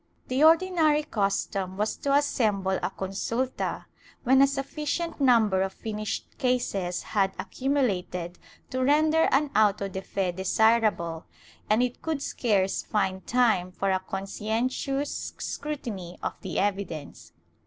The ordinary custom was to assemble a consulta when a sufficient number of finished cases had accu mulated to render an auto de fe desirable, and it could scarce find time for a conscientious scrutiny of the evidence.